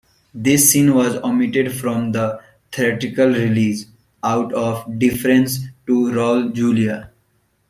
This scene was omitted from the theatrical release "out of deference to Raul Julia".